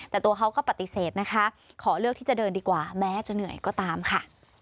แต่ตัวเขาก็ปฏิเสธนะคะขอเลือกที่จะเดินดีกว่าแม้จะเหนื่อยก็ตามค่ะ